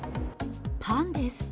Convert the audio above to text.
パンです。